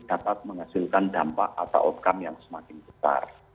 dapat menghasilkan dampak atau outcome yang sebesar